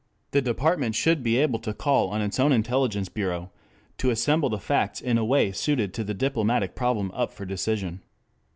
The Department should be able to call on its own intelligence bureau to assemble the facts in a way suited to the diplomatic problem up for decision.